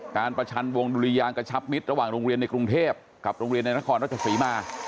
ประชันวงดุริยางกระชับมิตรระหว่างโรงเรียนในกรุงเทพกับโรงเรียนในนครรัชศรีมา